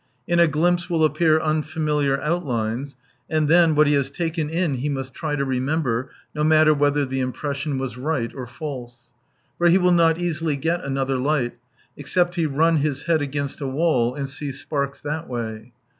In a glimpse will appear unfamiliar outlines ; and then, what he has taken in he must try to remember, no matter whether the impression was right or false. For he will not easily get another light, except he run his head against a wall, and see sparks that way.